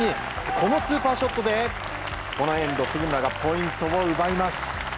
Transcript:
このスーパーショットでこのエンド杉村がポイントを奪います。